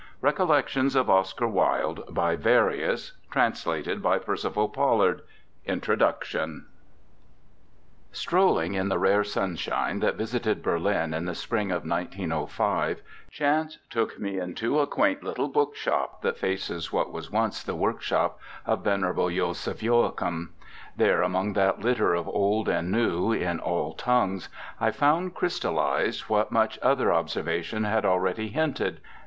67 Recollections By Franz Blei .... 89 2032343 INTRODUCTION BY PERCIVAL POLLARD INTRODUCTION STROLLING in the rare sunshine that visited Berlin in the spring of 1905, chance took me into a quaint little book shop that faces what was once the work shop of venerable Joseph Joachim. There, among that litter of old and new, in all tongues, I found crystallised what much other observation had already hinted.